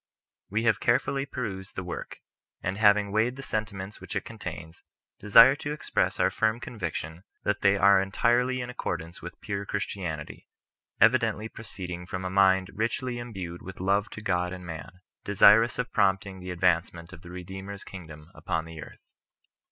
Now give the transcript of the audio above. We have carefully perused the Work; and having weighed the sentiments which it contains, desire to express our firm conviction that they ^ire entirely in accordance with pure Christianity, evidently proceedirg from a mind richly embued with love to God and man, desirous of promoting the advancement of the Redeemer's kingdom upon the earth.